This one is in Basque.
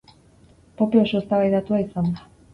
Pope oso eztabaidatua izan da.